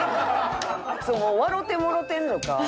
笑うてもうてんのか。